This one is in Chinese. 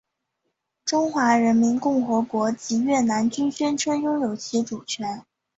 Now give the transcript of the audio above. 中华人民共和国及越南均宣称拥有其主权。